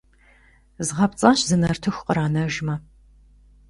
Zğepts'aş, zı nartıxu khranejjme!